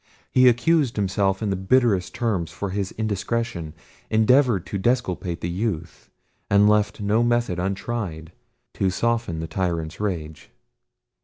He accused himself in the bitterest terms for his indiscretion, endeavoured to disculpate the youth, and left no method untried to soften the tyrant's rage.